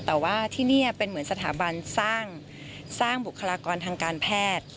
แต่ว่าที่นี่เป็นเหมือนสถาบันสร้างบุคลากรทางการแพทย์